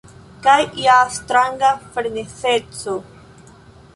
Kaj ja stranga frenezeco.